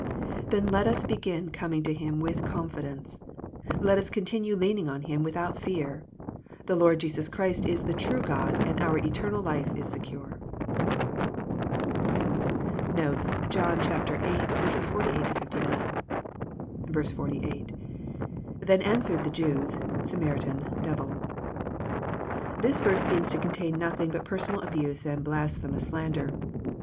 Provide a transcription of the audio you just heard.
Then let us begin coming to Him with confidence. Let us continue leaning on Him without fear. The Lord Jesus Christ is the true God, and our eternal life is secure. Notes. John VIII. 48—69. 48. — IThen answered the Jeioa,..Samaritan.„dev1l.'] ThifiL verse seems to contain notthing bat personal abuse and blasphemous slander.